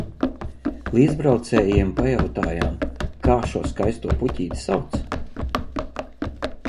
Līdzbraucējiem pajautājām, kā šo skaisto puķīti sauc.